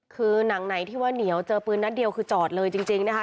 คือหนังไหนที่ว่าเหนียวเจอปืนนัดเดียวคือจอดเลยจริงนะคะ